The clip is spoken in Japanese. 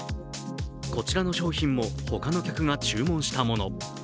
こちらの商品も他の客が注文したもの。